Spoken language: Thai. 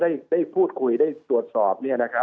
แต่ความพูดคุยได้สวดสอบ